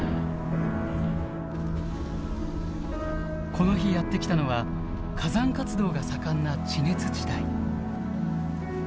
この日やって来たのは火山活動が盛んな地熱地帯。